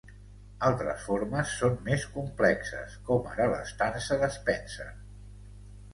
Altres formes són més complexes, com ara l'estança d'Spenser.